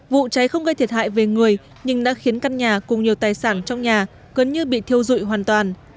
vụ cháy không gây thiệt hại về người nhưng đã khiến căn nhà cùng nhiều tài sản trong nhà gần như bị thiêu dụi hoàn toàn